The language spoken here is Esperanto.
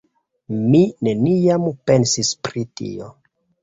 Mi neniam pensis pri tio.